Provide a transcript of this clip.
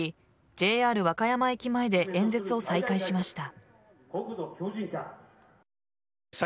ＪＲ和歌山駅前で演説を再開しました。